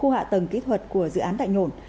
hạ tầng kỹ thuật của dự án tại nhổn